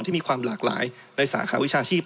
ที่มีความหลากหลายในสาขาวิชาชีพ